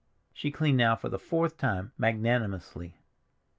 She cleaned now for the fourth time magnanimously.